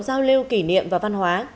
giao lưu kỷ niệm và văn hóa